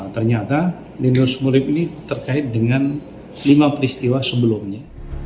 ternyata lirinus murib ini terkait dengan lima peristiwa sebelumnya